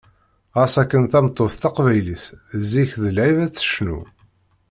Ɣas akken tameṭṭut taqbaylit zik d lɛib ad tecnu.